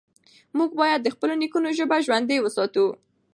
موږ بايد د خپلو نيکونو ژبه ژوندۍ وساتو.